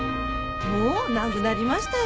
もう亡くなりましたよ